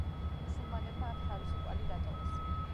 მუსულმანებმა აქ თავისი კვალი დატოვეს.